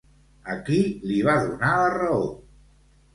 A qui li va donar la raó?